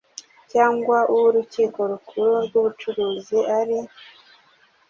cyangwa uw urukiko rukuru rw ubucuruzi ari